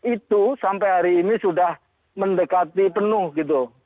itu sampai hari ini sudah mendekati penuh gitu